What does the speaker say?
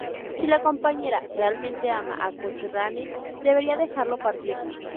Si la "Compañera" realmente ama a Cochrane, debería dejarlo partir.